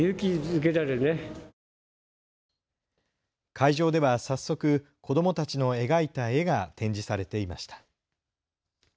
会場では早速、子どもたちの描いた絵が展示されていました。